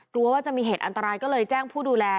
กลัวว่าจะมีเหตุอันตรายก็เลยแจ้งผู้ดูแล